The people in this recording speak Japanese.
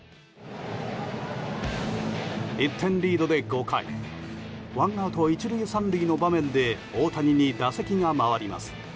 １点リードで５回ワンアウト１塁３塁の場面で大谷に打席が回ります。